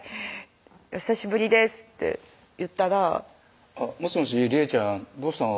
「お久しぶりです」って言ったら「もしもし利恵ちゃん？どうしたの？